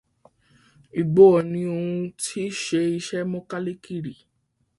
Ìgbòho ní òun ti ṣé iṣẹ́ mọkálìkì rí.